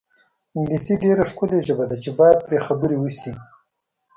انګلیسي ډېره ښکلې ژبه ده چې باید پرې خبرې وشي.